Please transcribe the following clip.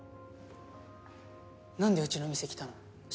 なんでうちの店来たの？